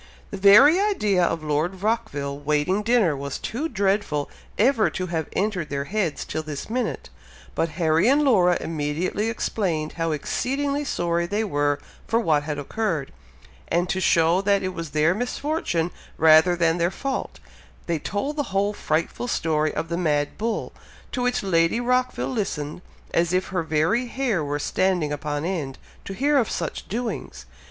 The very idea of Lord Rockville waiting dinner was too dreadful ever to have entered their heads till this minute; but Harry and Laura immediately explained how exceedingly sorry they were for what had occurred, and to show that it was their misfortune rather than their fault, they told the whole frightful story of the mad bull, to which Lady Rockville listened, as if her very hair were standing upon end, to hear of such doings.